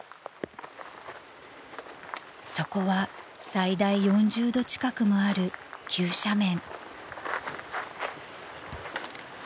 ［そこは最大４０度近くもある急斜面］